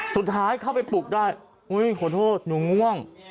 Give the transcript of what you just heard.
สุดท้ายเข้าไปปลุกได้อุ้ยขอโทษหนูง่วง